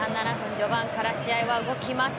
序盤から試合が動きます。